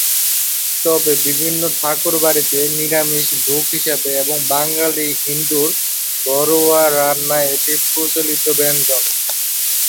তবে বিভিন্ন ঠাকুর বাড়িতে নিরামিষ ভোগ হিসাবে এবং বাঙালি হিন্দুর ঘরোয়া রান্নায় এটি প্রচলিত ব্যঞ্জন।